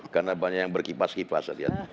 karena banyak yang berkipas kipas